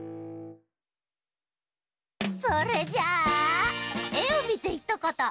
それじゃあ「えをみてひとこと」